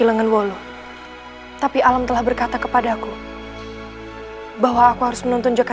jangan lupa like share dan subscribe ya